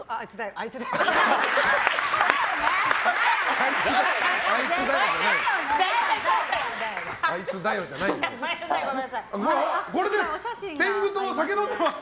あいつだよじゃないです。